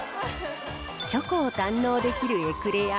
チョコを堪能できるエクレア。